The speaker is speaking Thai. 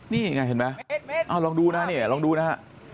นี่อย่างไรเห็นไหมลองดูนะ